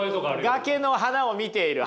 崖の花を見ている。